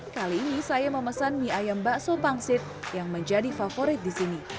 kali ini saya memesan mie ayam bakso pangsit yang menjadi favorit di sini